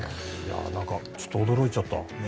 ちょっと驚いちゃった。